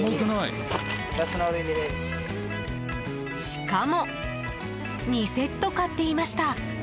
しかも２セット買っていました！